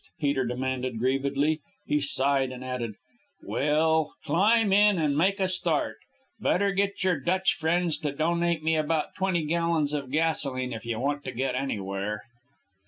Peter demanded grievedly. He sighed and added, "Well, climb in an' make a start. Better get your Dutch friends to donate me about twenty gallons of gasoline if you want to get anywhere."